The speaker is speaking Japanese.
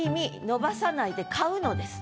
伸ばさないで買うのです。